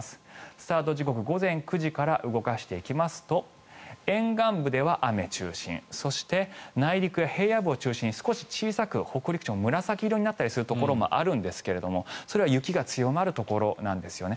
スタート時刻午前９時から動かしていきますと沿岸部では雨中心そして、内陸や平野部を中心に少し小さく北陸地方紫色になったりするところもあるんですがそれは雪が強まるところなんですよね。